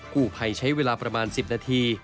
กู้ภัยใช้เวลาประมาณ๑๐นาที